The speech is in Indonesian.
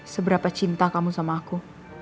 seberapa cinta kamu sama aku